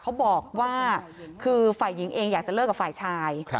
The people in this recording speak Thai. เขาบอกว่าคือฝ่ายหญิงเองอยากจะเลิกกับฝ่ายชาย